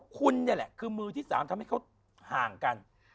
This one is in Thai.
คุณนี่แหละคือมือที่๓ทำให้เขาห่างกัน